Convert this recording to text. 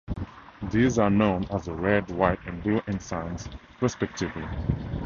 These are known as the "red", "white", and "blue" ensigns respectively.